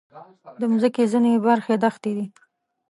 د مځکې ځینې برخې دښتې دي.